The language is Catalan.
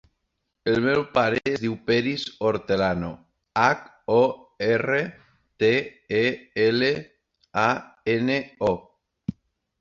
El meu pare es diu Peris Hortelano: hac, o, erra, te, e, ela, a, ena, o.